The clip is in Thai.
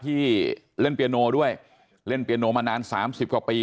ที่เล่นเปียโนด้วยเล่นเปียโนมานานสามสิบกว่าปี